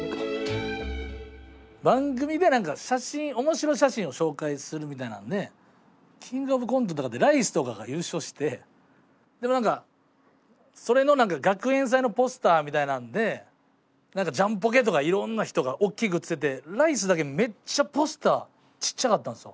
番組で何か面白写真を紹介するみたいなので「キングオブコント」とかでライスとかが優勝してそれの学園祭のポスターみたいなのでジャンポケとかいろんな人が大きく写っててライスだけめっちゃポスターちっちゃかったんですよ